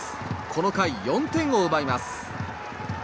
この回、４点を奪います。